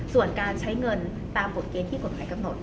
ส่วนการใช้เงินตามกฎเกณฑ์ที่กฎหมายกำหนด